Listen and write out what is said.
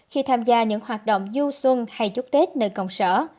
khi tham gia những hoạt động du xuân hay chút tết nơi cộng sở